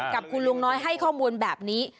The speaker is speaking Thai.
กับคุณลุงน้อยให้ข้อมูลแบบนี้